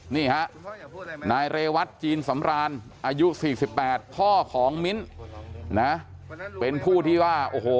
นี่ฮะนายเรวัตจีนสำรานอายุ๔๘พ่อของมิ้นนะเป็นผู้ที่ว่าโอ้โห